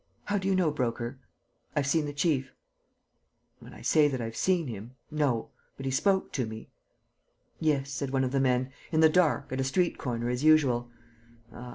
"How do you know, Broker?" "I've seen the chief. ... When I say that I've seen him, no ... but he spoke to me. ..." "Yes," said one of the men, "in the dark, at a street corner, as usual.